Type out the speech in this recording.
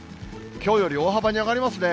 きょうより大幅に上がりますね。